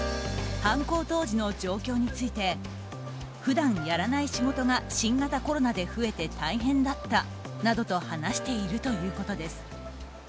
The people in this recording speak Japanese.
犯行当時の状況について普段やらない仕事が新型コロナで増えて大変だったなどと話しているということです。